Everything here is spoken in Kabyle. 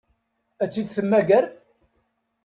Ad tt-id-temmager?